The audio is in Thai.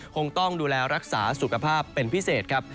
คงต้องดูแลรักษาสุขภาพเป็นพิเศษครับ